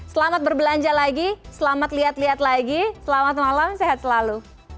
selamat berbelanja lagi selamat lihat lihat lagi selamat malam sehat selalu